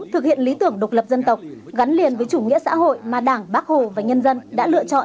thực hiện lý tưởng độc lập dân tộc gắn liền với chủ nghĩa xã hội mà đảng bác hồ và nhân dân đã lựa chọn